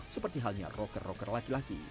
seperti halnya rocker rocker laki laki